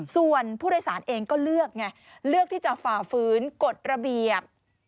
ส่วนผู้โดยสารเองก็เลือกไงเลือกที่จะฝ่าฝืนกฎระเบียบ